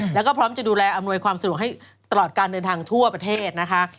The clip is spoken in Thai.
แล้วก็พร้อมจะดูแลอำนวยความสะดวกให้ตลอดการเดินทางทั่วประเทศนะคะ